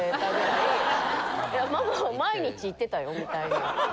「いやママは毎日行ってたよ」みたいな。